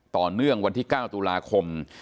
ต่อเนื่องวันที่๙ตุลาคม